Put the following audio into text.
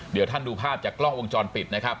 เดี๋ยวท่านดูภาพจากกล้องวงจรปิดนะครับ